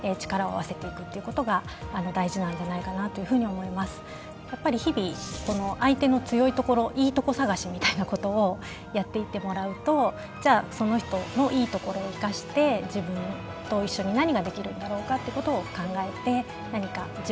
それであればやっぱり日々相手の強いところいいとこ探しみたいなことをやっていってもらうとじゃあその人のいいところを生かして自分と一緒に何ができるんだろうかってことを考えて何かなるほど。